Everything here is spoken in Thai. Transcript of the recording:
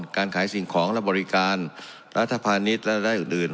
การขายสิ่งของและบริการรัฐพาณิชย์และได้อื่น